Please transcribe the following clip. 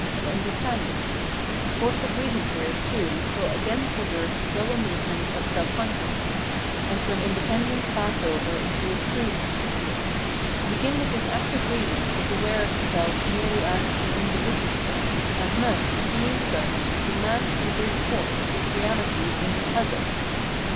and understanding,]; the course of reason here, too, will again traverse the double move ment of " self consciousness," and from independence pass over into its freedom. To begin with this active reason is aware of itself merely as "an individual,'' and must, being such, demand and bring forth its reahty in an " other.